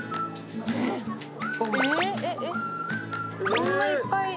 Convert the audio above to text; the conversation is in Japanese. こんないっぱい。